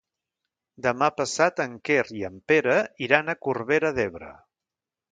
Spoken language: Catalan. Demà passat en Quer i en Pere iran a Corbera d'Ebre.